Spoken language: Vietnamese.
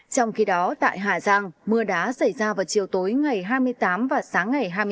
trong khi đó tại hà giang mưa đá xảy ra vào chiều tối ngày hai mươi tám và sáng ngày hai mươi chín tháng ba